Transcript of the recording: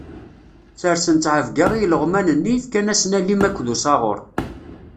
Sersen ttɛebga i ileɣman-nni, fkan-asen alim akked usaɣur.